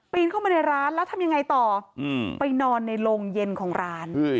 เข้ามาในร้านแล้วทำยังไงต่อไปนอนในโรงเย็นของร้าน